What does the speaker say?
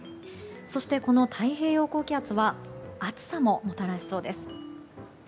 そして、この太平洋高気圧は暑さももたらしそうです。